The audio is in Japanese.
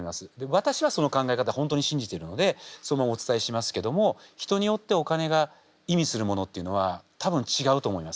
私はその考え方本当に信じているのでそのままお伝えしますけども人によってお金が意味するものっていうのは多分違うと思います。